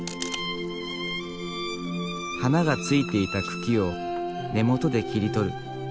花がついていた茎を根元で切り取る。